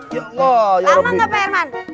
laman gak pak herman